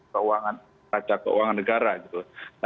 keuangan raca keuangan negara gitu